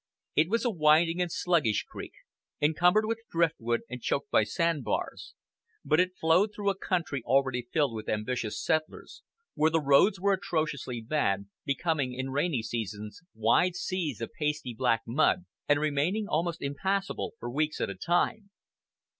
It was a winding and sluggish creek, encumbered with driftwood and choked by sand bars; but it flowed through a country already filled with ambitious settlers, where the roads were atrociously bad, becoming in rainy seasons wide seas of pasty black mud, and remaining almost impassable for weeks at a time.